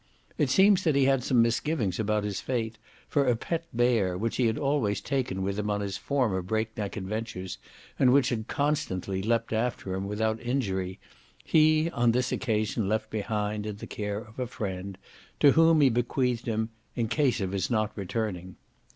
It seems that he had some misgivings of his fate, for a pet bear, which he had always taken with him on his former break neck adventures, and which had constantly leaped after him without injury, he on this occasion left behind, in the care of a friend, to whom he bequeathed him "in case of his not returning."